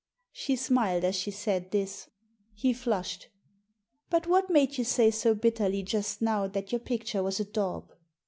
She smiled as she said this. He flushed. "But what made you say so bitterly just now that your picture was a daub